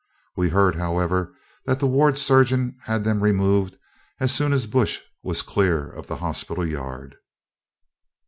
We heard, however, that the ward surgeon had them removed as soon as Bush was clear of the hospital yard.